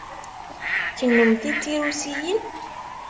Kennemti d tirusiyin?